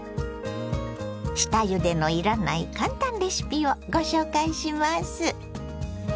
下ゆでのいらない簡単レシピをご紹介します！